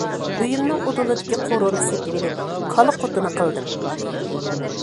ئۆيۈمنىڭ ئۇدۇلىدىكى قورۇنى سېتىۋېلىپ، كالا قوتىنى قىلدىم.